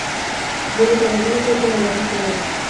বলি টাকাগুলোতেও তো নাম লেখা ছিল না।